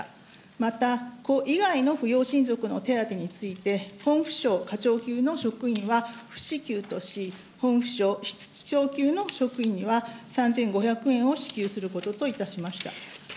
また子以外の扶養親族の手当について、、課長級の職員は不支給とし、本府省室長級の職員には、３５００円を支給することといたしました。